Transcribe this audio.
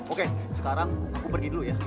oke sekarang aku pergi dulu ya